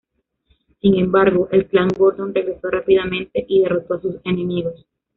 Sin embargo, el Clan Gordon regresó rápidamente y derrotó a sus enemigos.